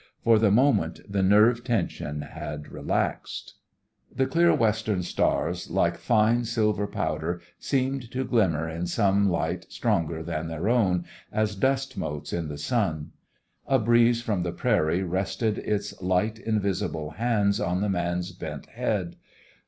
For the moment the nerve tension had relaxed. The clear western stars, like fine silver powder, seemed to glimmer in some light stronger than their own, as dust motes in the sun. A breeze from the prairie rested its light, invisible hands on the man's bent head.